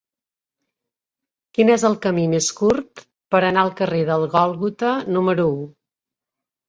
Quin és el camí més curt per anar al carrer del Gòlgota número u?